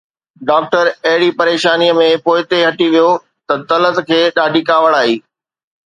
doctor اهڙي پريشانيءَ ۾ پوئتي هٽي ويو ته طلعت کي ڏاڍي ڪاوڙ آئي